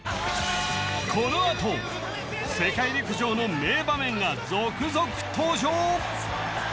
このあと世界陸上の名場面が続々登場！